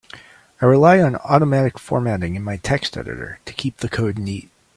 I rely on automatic formatting in my text editor to keep the code neat.